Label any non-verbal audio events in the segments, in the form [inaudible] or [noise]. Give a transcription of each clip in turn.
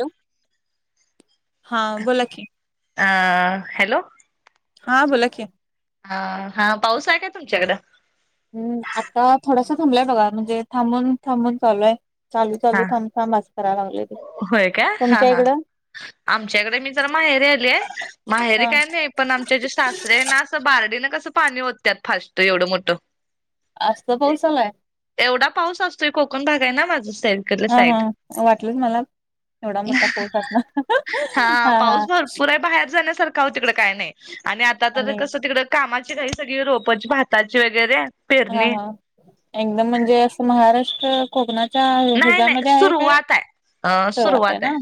Hello... हा बोला की अं... हॅलो. हा, बोला की. हं हा, पाऊस हाये का तुमच्याकडं? हूं, आत्ता थोडासा थांबलाय बघा. म्हणजे थांबून थांबून, चालू ए. चालू हा चालू... थांब का मग [inaudible] वागलेे ते. होय का, हा तुमच्या हा. इकडं आमच्याकडे मी जरा माहेरी आलीय, माहेरी हा. काय नाय पण आमचे जे सासरे आहे ना, असं बारडीनं कसं पाणी ओतत्यात फास्ट, एवढं मोठं. आज तं पाऊस आलाय? एवढा पाऊस असतोय, कोकण भाग आहे ना माझं साईड. हां हां, वाटलंच मला, एवढा मोठा पाऊस असणार. हां हां. तर बाहेर जाण्यासारखं काहो तिकडं काय नाही आणि आता तर कसं तिकडं कामाची घाई सगळी, रोपाची भाताची वगैरे. हां पेरणी हां, एकदम म्हणजे असं महाराष्ट्र कोकणाच्या नाही नाही ह्याच्यामध्ये आहे काय सुरुवात आहे अ सुरुवात आहे ना.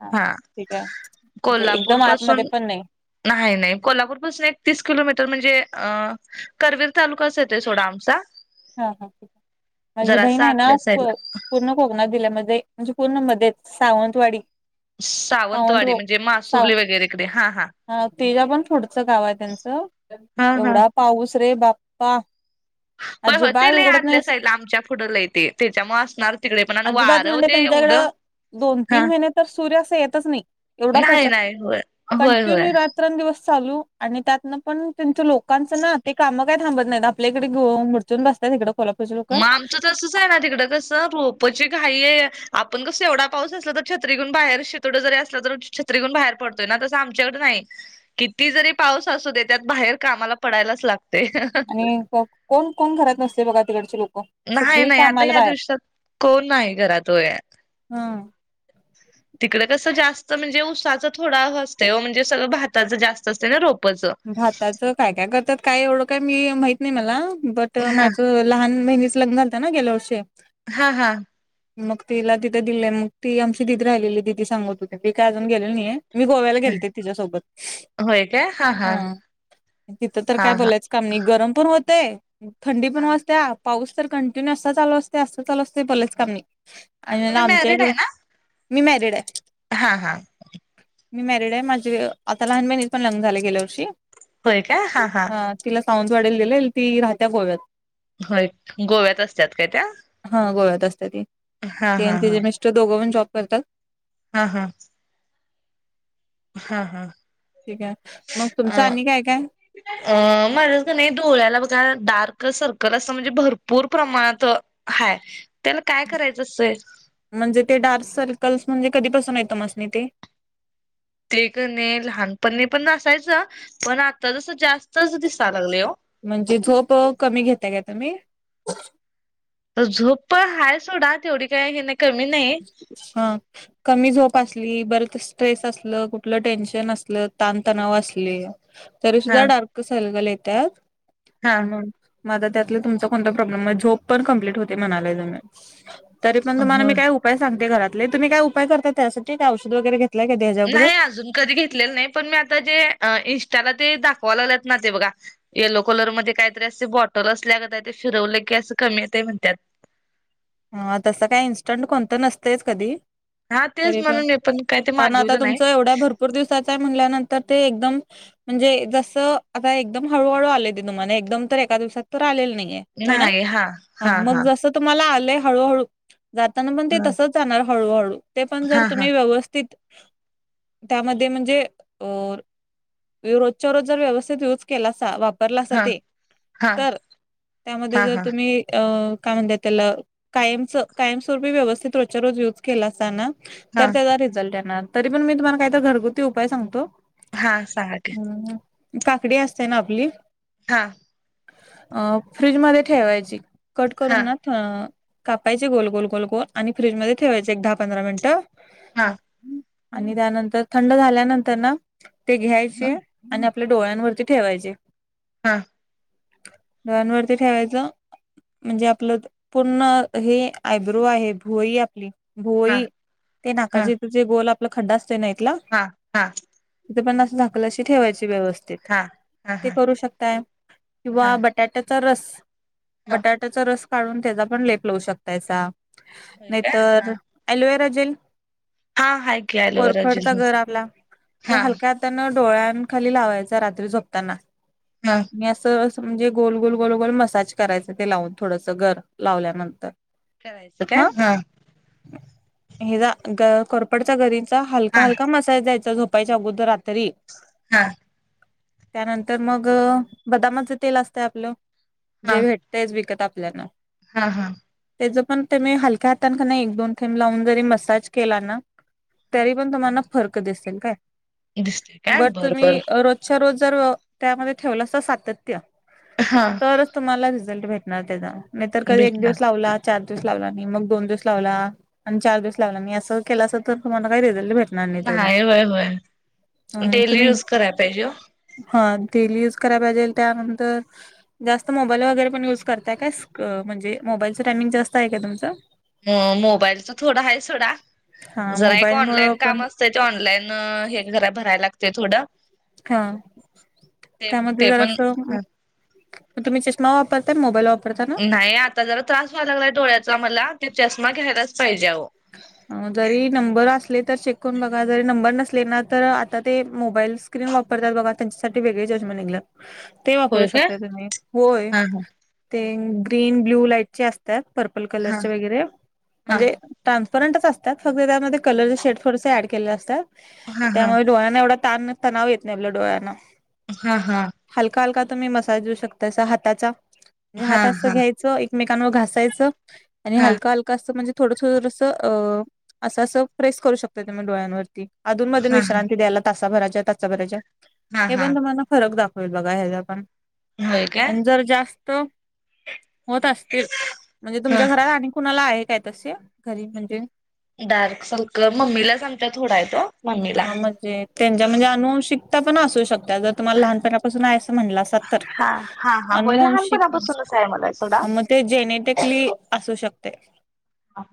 हा ठीक आहे म्हणजे कोल्हापूर एकदम आतमध्ये पासून पण नाही. नाही नाही कोल्हापूरपासून एक तीस किलोमीटर म्हणजे अ. करवीर तालुकाच येतोय सोडा आमचा. हा हा ठीक माझी बहीण जरासा आहे ना आतल्या साईडला पूर्ण कोकणात जिल्ह्यामध्ये. म्हणजे पूर्ण मध्येच सावंतवाडी. सावंतवाडी सावंतभाऊ म्हणजे साव मासुर्ली वगैरेकडे हा हा. हा त्याच्या पण पुढचं गाव आहे त्यांचं हा हा एवढा पाऊस रे बाप्पा. होय होय ते अजिबात लई उघडत आतल्या नाहीस साईडला आमच्या पुढं लई ते त्याच्यामुळे असणार तिकडे पण आणि अजिबात वारंव म्हणजे ते एवढं. त्यांच्याकडं दोन हा तीन महिने तर सूर्य अस येतच नाही एवढा पाऊस नाही असतो नाही होय होय होय कंटिन्यू रात. रात्रंदिवस चालू आणि त्यातनं पण त्यांचं लोकांच ना ते काम काय. थांबत नाहीत आपल्या इकडे घोंग मुडचून बसतात इकडे. मग आमचं तसंच आहे ना तिकडं कस. रोपची घाई आहे आपण कस एवढा पाऊस असला तर छत्री घेऊन बाहेर शितोडे जरी असलं तर छत्री. छत्री घेऊन बाहेर पडतोय ना तसं आमच्याकडे नाही. किती जरी पाऊस असू दे त्यात बाहेर कामाला पडायलाच लागतय. आणि कोण कोण घरात नसतंय बघा तिकडचे लोक. नाही सगळी नाही आता कामाला ह्या बाहेर दिवसात कोण नाही घरात व्हय. हा. तिकड कसं जास्त म्हणजे ऊसाचं थोडं असतं ओ म्हणजे सगळं भाताचं जास्त असतं ना रोपचं. भाताचं काय काय करतात काय एवढं काय मी माहित नाही मला बट. तिथं हा माझ लहान बहिणीच लग्न झालतं ना गेल्या वर्षी. हा हा. मग तिला तिथं दिलय मग ती आमची दीदी राहिलेली दीदी सांगत होती मी काय अजून गेलेलो नाही आहे. मी गोव्याला गेलते तिच्यासोबत. होय काय हा. हा तिथं तर हा काय हा बोलायचं काम नाही गरम पण होतंय थंडी पण हा वाजत्या. पाऊस तर कंटिन्यू असा चालू असतोय असा चालू असतोय बोलायचं काम नाही आ, आणि तुम्ही आमच्या मॅरिड इकड. आहे ना मी मॅरिड आहे. हा हा. मी मॅरिड आहे माझे आता लहान बहिणीचे पण लग्न झालंय गेल्या वर्षी. होय काय हां हां. हा तिला सावंतवाडीला दिलय ती राहत्या गोव्यात. होय गोव्यात असत्यात काय त्या. हा गोव्यात असत्या ती हा ती आणि हा हा तिचे मिस्टर दोघं पण जॉब करतात. हा हा. हा हा. ठीक आहे मग अ तुमचं आणि काय- काय. अ माझ्या कणी डोळ्याला बघा डार्क सर्कल असं म्हणजे भरपूर प्रमाणात - हाय त्याला काय करायचं असतंय? म्हणजे ते डार्क सर्कल्स म्हणजे कधीपासून आहेत तुम्हास्नी ते. ते कणी लहानपणी पण असायचं पण आता जसं जास्तच दिसायला लागलंय हो. म्हणजे झोप कमी घेताय का तुम्ही? झोप पण हाय सोडा तेवढी काय हे नाही कमी नाही. हा कमी झोप असली बरच स्ट्रेस असलं कुठलं टेन्शन असलं ताणतणाव असले. तरी हा सुद्धा डार्क सलकल येत्यात. हा मग आता त्यातला तुमचा कोणता प्रॉब्लेम आहे झोप पण कम्प्लीट होते म्हणालाय तुम्ही. तरी पण तुम्हाला होय. मी काही उपाय सांगते घरातले तुम्ही काय उपाय करता त्यासाठी का औषध वगैरे घेत. नाही अजून कधी घेतलेलं नाही पण मी आता जे इन्स्टा ला ते दाखवा लागल्यात ना ते बघा. येलो कलरमध्ये काहीतरी अशी बॉटल असल्यागत आहे ते फिरवले की असं कमी येतंय म्हणतात. ह तसं काय इन्स्टंट कोणतं नसतेच कधी. हा तेच तरी पण म्हणून मी काय ते कारण आता मागविलं नाही. तुमचं एवढ्या भरपूर दिवसाच आहे म्हणल्यानंतर ते एकदम. म्हणजे जसं आता एकदम हळूहळू आले तुम्हाला एकदम तर एका दिवसात तर आलेलं नाहीये. होय ना हा मग जसं. तुम्हाला आलेय हळूहळू जाताना पण ते हा तसंच जाणार हळूहळू. ते पण जर हा हा तुम्ही व्यवस्थित त्यामध्ये म्हणजे- रोजच्या रोज जर व्यवस्थित युज केलासा वाप - वापरलासा हा ते हा तर त्यामध्ये हा जर हा तुम्ही अ काय म्हणता त्याला. कायमच कायमस्वरूपी व्यवस्थित रोजच्या रोज युज केलासाना तर हा त्याचा रिझल्ट येणार. तरी पण मी तुम्हाला काही तर घरगुती उपाय सांगतो. हा सांगा की काकडी असते ना आपली. हा. अ फ्रीज मध्ये ठेवायची कट हा करून ना अ. कापायची गोल - गोल - गोल - गोल आणि फ्रीजमध्ये ठेवायचं एक दहा पंधरा मिनटं. हा. आणि त्यानंतर थंड झाल्यानंतर ना ते घ्यायचे आणि आप. आपल्या डोळ्यांवरती ठेवायचे. हा. डोळ्यांवरती ठेवायचं म्हणजे आपलं पूर्ण - हे आयब्रो आहे भुवई आहे आपली हा भुवई ते हा नाकाच्या तिथं. जे गोल आपलं खड्डा असते ना इथला. हा हा. तिथ पण असं झाकल्याशीे ठेवायची व्यवस्था. हा हा ते हा करू शकताय हा किंवा बटाट्याचा रस - हा बटाट्याचा रस काढून त्याचा पण लेप लावू शकतायसा होय काय हा नाहीतर - एलोराजेल हा हाय की ॲलोवेरा कोरफडचा जेल गर आपला ते हा हलक्यात - त्यांना डोळ्यां खाली लावायचा रात्री झोपताना. हां. मी असं - असं म्हणजे गोल - गोल - गोल - गोल मसाज करायचं ते लावून थोडसं गर लावल्यान. करायचं का हा. हेचा कोरफडचा गरीचा हलका- हा हलका मसाज दयचा झोप. झोपायच्या अगोदर रात्री हा... त्यानंतर मग अं बदामाच तेल असतंय आपलं हा जे भे तेच विकत आपल्याला. हा, हा त्याच पण ते नि हलक्या हातांन किण एक, दोन थेंब लावून जरी मसाज केला ना हा तरी पण तुम्हाना फरक दिसतील काय, बर तुम्ही रो सर्व जर व त्यामध्ये ठेवलासा सातत्य हा तरच तुम्हाला रिझल्ट भेटणार त्याचा नाही तर काय एक भेटणार दिवस लावला, चार दिवस लावला नाही मग दोन दिवस लावला आणि चार दिवस लावला नाही असं, केलास तर तुम्हाला काय रिझल्ट भेट टणार नाही त्याचा, होय होय अं डेली तुम्ही युज कराय पाहिजे हा तेल युज करायला पाहिजे, त्यानंतर जास्त मोबाईल वगैरे पण युज करताय का म्हणजे, मोबाईलचं टायमिंग जास्त आहे का तुमचं? म मोबाईलच थोडा आहे सोडा, हा जरा एक मोबाईल मुळ ऑनलाईन पण कामच असतं. ते चे ऑनलाईन हे घरा भरायला लागते थोडं. हा, ते त्यामध्ये ते जर पण असं म तुम्ही चष्मा वापराताय, मोबाईल वापरतात? नाही आता जरा त्रास व्हाय लागलाय डोळ्याचा, मला ते चष्मा घ्यायलाच पाहिजे आहो. हं जरी नंबर असले तर चेक करून बघा जरी नंबर नसले ना तर आता ते मोबाईल्स क्रीन वापरतात बघा त्यांच्यासाठी वेगळे [unintelligible] ते वापरू होय काय शकताय तुम्ही, होय हा हा ते ग्रीन, ब्ल्यू लाईटचे अस त्यात पर्पल हा कलरचे वगैरे हा म्हणजे ट्रान्सपरंटच असतात फक्त त्यामध्ये कलरच शेड थोडसं ऍड केलेले असतात, हा हा त्यामुळे डोळ्यांना एवढा ताण, तणाव येत नाही आपल्या डोळ्यांना. हा, हा हलका, हलका तुम्ही मसाज देऊ शकताय असा हाताचा, म्हणजे हा हा हात असं घ्याय चं एकमेकांवर घासायचं आणि हा हलक, हलक असं म्हणजे थोडं थुरंस अं असं, असं प्रेस करू शकताय तुम्ही डोळ्यांवरती. अधून, मधून हा विश्रांती द्यायला तासा भरायचा तचा भराजय हा हे हा पण तुम्हाला फरक दाखव होईल बघा ह्याचा पण होय काय आणि जर जास्त होत असतील म्हणजे ह तुमच्या घरात आणि कुणाला आहे काय तसे घरी म्हणजे? डार्क सर्कल मम्मीला च आमच्या थोडा आहे तो. मम्मीला हा म्हणजे त्यांच्या म्हणजे अनुवंशिकता पण असू शकत्या जर तुम्हाला लहानपणापासून आहे असं म्हणलं असा तर, हा हा हा होय अनुवंशिक लहानपणापासूनच आहे मला सोडा ते जेनेटेकली असू शकते. हा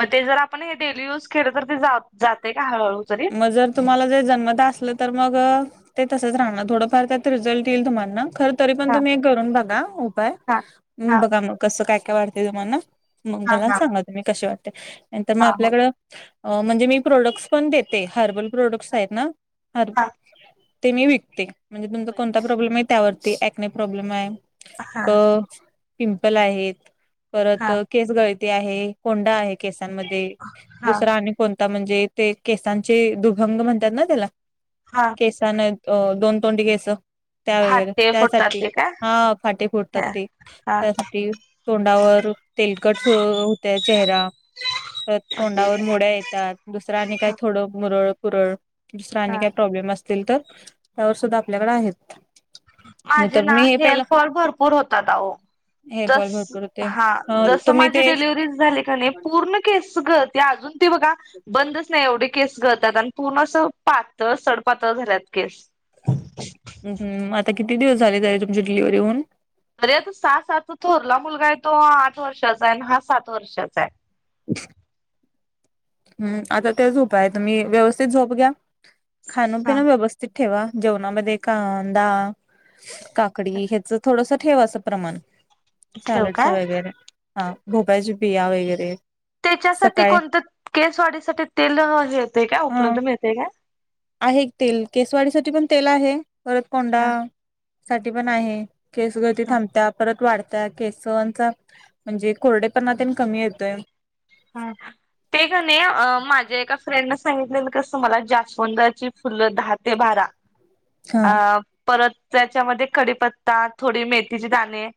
म ते जर आपण हे डेली यूज केलं तर ते जा, जातेय का हळूहळू जरी म जर तुम्हाला जर जन्मता असलं तर मग अं ते तंसच राहणार, थोडंफार त्यात रिझल्ट येईल तुम्हाना खं तरी पण हा तुम्ही हे करून बघा उपाय, हा हा बघा मग कसं काय, काय वाढतय तुम्हाना. मग हा मला हा सांगा तुम्ही कशे वाटते नंतर मग हा हो आपल्याकडं म्हणजे मी प्रोडक्ट्स पण दे ते, हर्बल प्रोडक्ट्स आहेत ना ह हा ते मी विकते. म्हणजे तुमचा होय कोणता काय प्रॉब्लेम आहे, त्यावर ते एकने प्रॉब्लेम आहे हा त पिंपल आहेत, परत हा अं केस गळती आहे कोंडा आहे केसांमध्ये हा दुसरा आणि कोणता म्हणजे ते केसांचे दुभंग म्हणतात ना त्याला हा केसांना अं दोन तोंडी केस त्या वगैरे फाटे फुटतात त्यासाठी ते काय हा फाटे फुटतात हा ते हा त्यासाठी तोंडावर तेलकट सु हूतंय चेहरा तर ओके. तोंडावर मोड्या येतात दुसरा आणि काय थोडं मुरळ पुरळ दुसरा आणि हा काय प्रॉब्लेम असत केल तर त्यावर सुद्धा आपल्याकडे आहेत नाही माझे तर ना मी हे पहिला हेअरफॉल भरपूर होतात आहो हेअरफॉल जस भरपूर हां होते जस तुम्ही माझी ते डिलिवरी झाली कनी पूर्ण केस गळते अजून ते बघा बंदच नाही एवढे केस गळतात आणि पूर्ण अस पातळ सडपातळ झाल्यात केस हूं हूं आता किती दिवस झाले तरी तुमची डिलिव्हरी होऊन तरी आता सहा सात थोरला मुलगा आहे तो आठ वर्षाचा आहे आणि हा सात वर्षाचा आहे [inaudible] हम् आता तेच उपाय तुम्ही व्यवस्थित झोप घ्या खाणं हा पिणं व्यवस्थित ते ठेवा जेवणामध्ये कांदा काकडी हेचं थोडंसं ठेवा असं प्रमाण ठेव सॅलडच काय वगैरे हा भोबळ्याचे बिया वगैरे त्याच्यासाठी सकाळी कोणतं केस वाडीसाठी तेल येतं काय हा उपलब्ध मिळतेय काय आहे तेल केस वाडीसाठी पण तेल आहे, परत कोंडा हा साठी पण आहे. केस गळती हा थांबत्या, परत वाढत त्या केसवांचा म्हणजे कोरडेपणा तेन कमी येतोय हम्म ते कनी अं माझ्या एका फ्रेंडने सांगितलेलं कसं मला जास्वंदची फुलं दहा ते बारा हा अ परत त्याच्यामध्ये कडीपत्ता थोडी मेथीची दाणे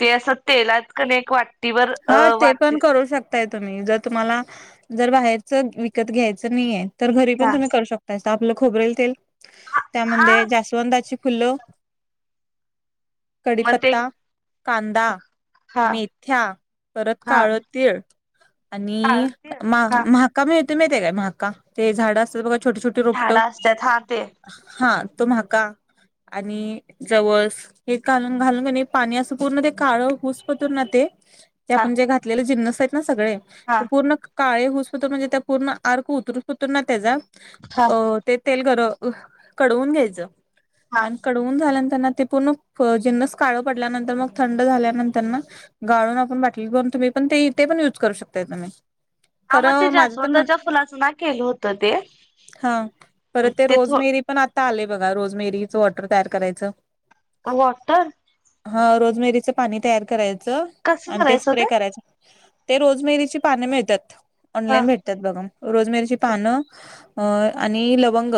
ते असं तेलात कनेक वाटत हा ते पण करू शकत तर तुम्ही जर तुम्हाला जर बाहेरच विकत घ्यायचं नाहीये तर घरी हा पण तुम्ही करू शक त्याच आपलं खोबरेल तेल हा त्यामध्यें जास्वंदाची फुलं मग ते कडीपत्ता कांदा हा मेथ्या परत हा काळं तीळ काळ आणि तीळ हा म्हाका मिळते महीती काय म्हाका ते झाडं असतात बघा छोटे छोटे रोपट झाडं असत्यात हा ते हा तो म्हाका आणि जवस हे कालून घालून कनी पाणी असं पूर्ण ते काळं हुसपतुर ना ते ते हा आपण जे घातलेले जिन्नस आहेत ना सगळे हा ते पूर्ण काळे होऊसपतुर म्हणजे त्या पूर्ण अर्क उतरूसपतुर ना त्याचा हा अ ते तेल गर कडवून घ्यायचं हा आणि कडवून झाल्या नंतरना ते पूर्ण जिन्नस काळं पडल्यानंतर मग थंड झाल्यानंतर ना गाळून आपण तुम्ही पण ते पण युज करू शकताय तुम्ही हा खर मग ते माझ तर म्हण जास्वंदाच्या फुलाचं ना केलं होतं ते हा बर ते रोज मेरी पण आता आलंय बघा रोजमेरीचं वॉटर तयार करायचं वाॅटर हा रोजमेरीचं पाणी तयार करायचं कसं आणि करायचं हो स्प्रे ते करायचं ते रोजमेरीची पान मिळत्यात हा ऑनलाईन भे त्यात बघा रोजमेरची पान आणि लवंग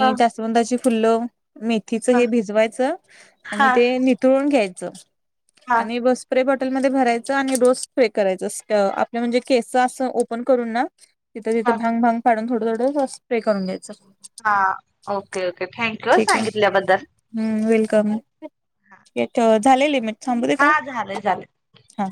हा जा स्वंदाची फुल्लं मेथीच हा हे भिजवायचं आणि हा ते निथळून घ्यायचं. हा आणि ब स्प्रे बाॅ टलमध्ये भरायचं आणि रोज स्प्रे करायचं आपली म्हणजे केस असं ओपन करून ना तिथं हा तिथं भांग भांग पाडून थोड थोडं स्प्रे करून घ्यायचं. हा ओके ओके थँक्यू हं ठीक आहे सांगितल्याबद्दल. हम्म वेलकम, झालेय लिमिट थांबुदे काय? हा झालंय झालंय. हा.